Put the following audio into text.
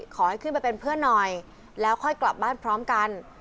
ขอให้ขึ้นไปเป็นเพื่อนหน่อยแล้วค่อยกลับบ้านพร้อมกัน